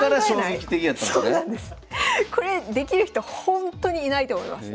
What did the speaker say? これできる人ほんとにいないと思います。